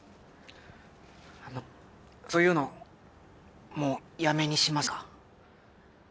あのそういうのもうやめにしませんか？